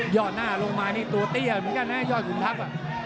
อดหน้าลงมานี่ตัวเตี้ยเหมือนกันนะยอดขุนทัพ